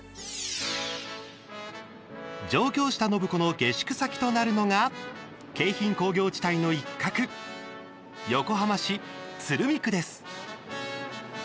上京した暢子の下宿先となるのが京浜工業地帯の一角横浜市鶴見区です。